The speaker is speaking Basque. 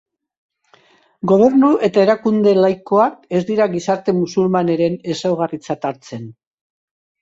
Gobernu eta erakunde laikoak ez dira gizarte musulmanaren ezaugarritzat hartzen.